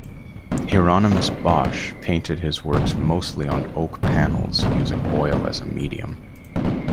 Hieronymus Bosch painted his works mostly on oak panels using oil as a medium.